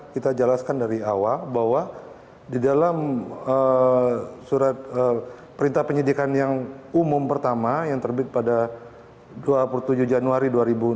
kita jelaskan dari awal bahwa di dalam surat perintah penyidikan yang umum pertama yang terbit pada dua puluh tujuh januari dua ribu dua puluh